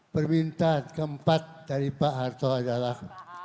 permintaan keempat dari pak harto adalah